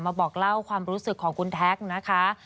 บอกเล่าความรู้สึกของคุณแท็กนะคะ